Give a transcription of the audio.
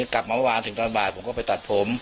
กลับมาเมื่อวานถึงตอนบ่ายผมก็ไปตัดผม